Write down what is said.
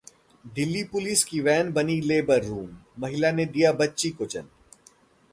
Delhi police की van बनी labour room, महिला ने दिया बच्ची को जन्म